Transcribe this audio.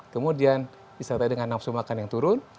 kemudian disertai dengan nafsu makan yang turun